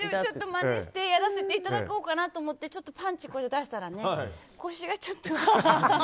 まねしてやらせていただこうと思ってちょっとパンチを出したら腰がちょっと。